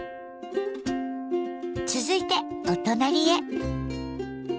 続いてお隣へ。